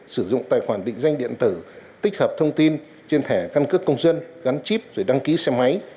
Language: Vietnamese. sử dụng tài khoản định danh điện tử tích hợp thông tin trên thẻ căn cước công dân gắn chip về đăng ký xe máy